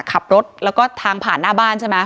ขับรถแล้วก็ทางผ่านหน้าบ้านใช่ไหม